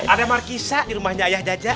ada markisa di rumahnya ayah jaja